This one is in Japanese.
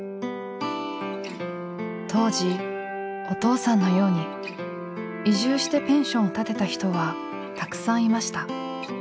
当時お父さんのように移住してペンションを建てた人はたくさんいました。